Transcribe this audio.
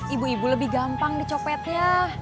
ibu ibu lebih gampang dicopetnya